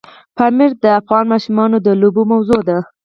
پامیر د افغان ماشومانو د لوبو موضوع ده.